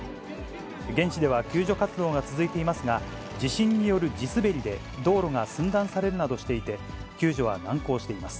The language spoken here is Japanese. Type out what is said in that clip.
現地では救助活動が続いていますが、地震による地滑りで道路が寸断されるなどしていて、救助は難航しています。